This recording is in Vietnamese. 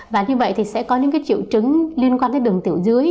và như vậy thì sẽ có những cái triệu trứng liên quan đến đường tiểu dưới